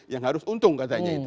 yang harus untung katanya itu